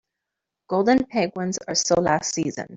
Golden penguins are so last season.